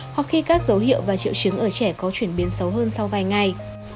hoặc khi các dấu hiệu và triệu chứng ở trẻ có chuyển biến xấu hơn sau vài ngày